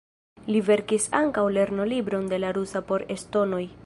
Li verkis ankaŭ lernolibron de la rusa por estonoj.